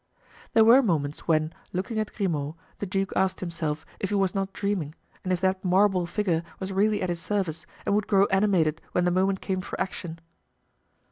There were moments when, looking at Grimaud, the duke asked himself if he was not dreaming and if that marble figure was really at his service and would grow animated when the moment came for action.